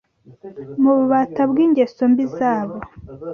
mu bubata bw’ingeso mbi zabo